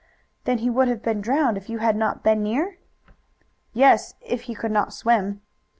"Then he would have been drowned if you had not been near?" "Yes, if he could not swim."